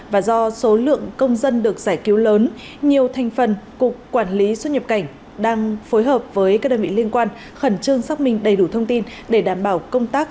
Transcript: và do số lượng công dân được giải cứu lớn nhiều thành phần cục quản lý xuất nhập cảnh đang phối hợp với các đơn vị liên quan khẩn trương xác minh đầy đủ thông tin để đảm bảo công tác